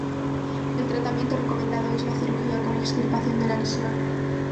El tratamiento recomendado es la cirugía con extirpación de la lesión.